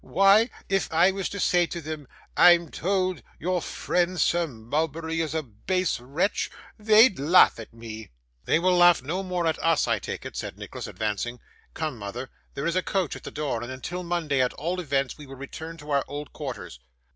Why, if I was to say to them, "I'm told your friend Sir Mulberry is a base wretch," they'd laugh at me.' 'They will laugh no more at us, I take it,' said Nicholas, advancing. 'Come, mother, there is a coach at the door, and until Monday, at all events, we will return to our old quarters.